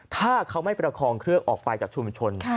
ถ้าเขาไม่ประคองเครื่องออกไปจากชุมชน